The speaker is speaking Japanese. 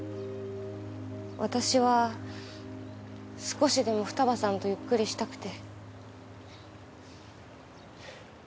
私は少しでも二葉さんとゆっくりしたくて。